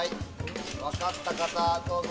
分かった方どうぞ。